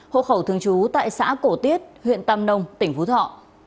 hộ khẩu thường trú tại xã cổ tiết huyện tam nông tỉnh phú thọ